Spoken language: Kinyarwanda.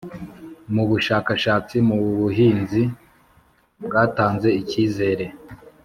mu bushakashatsi mu buhinzi bwatanze ikizere